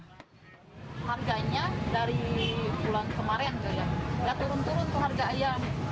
harganya dari bulan kemarin ya turun turun tuh harga ayam